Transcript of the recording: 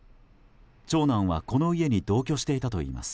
長男はこの家に同居していたといいます。